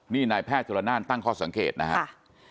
นี่นายแพทย์จุลนานตั้งข้อสังเกตนะครับ